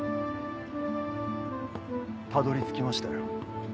たどり着きましたよ。